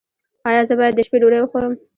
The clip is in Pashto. ایا زه باید د شپې ډوډۍ وخورم؟